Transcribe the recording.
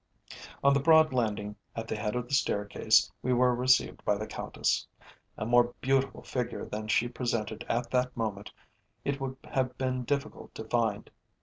On the broad landing at the head of the staircase we were received by the Countess. A more beautiful figure than she presented at that moment it would have been difficult to find.